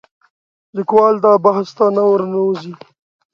لیکوال دا بحث ته نه ورننوځي